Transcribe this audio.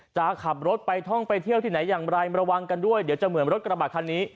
จะขับรถไปท่องไปเที่ยวที่ไหนอย่างไรมาระวังกันด้วยเดี๋ยวจะเหมือนรถกระบะคันนี้